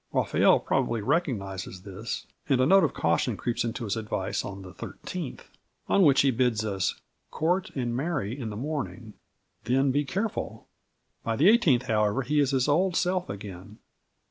Raphael probably recognises this, and a note of caution creeps into his advice on the 13th, on which he bids us "court and marry in the morning, then be careful." By the 18th, however, he is his old self again.